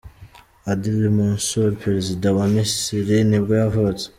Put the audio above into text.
Adly Mansour, perazida wa Misiri nibwo yavutse.